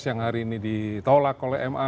yang hari ini ditolak oleh ma